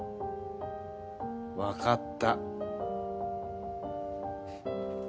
わかった。